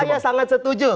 saya sangat setuju